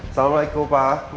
assalamu'alaikum pak ma